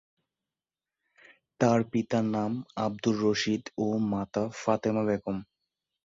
তার পিতার নাম আব্দুর রশীদ ও মাতা ফাতেমা বেগম।